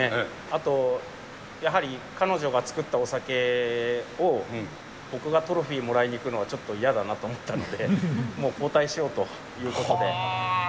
あと、やはり彼女が造ったお酒を、僕がトロフィーもらいに行くのは、ちょっと嫌だなと思ったので、もう交代しようということで。